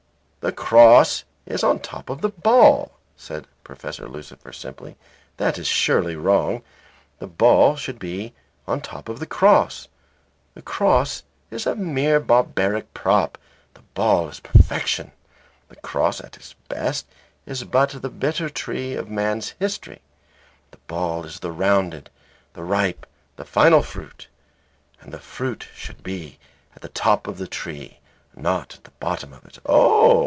"The cross is on top of the ball," said Professor Lucifer, simply. "That is surely wrong. The ball should be on top of the cross. The cross is a mere barbaric prop; the ball is perfection. The cross at its best is but the bitter tree of man's history; the ball is the rounded, the ripe and final fruit. And the fruit should be at the top of the tree, not at the bottom of it." "Oh!"